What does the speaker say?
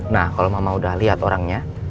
nah kalau mama udah lihat orangnya